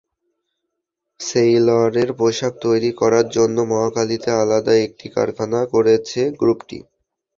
সেইলরের পোশাক তৈরি করার জন্য মহাখালীতে আলাদা একটি কারখানা করেছে গ্রুপটি।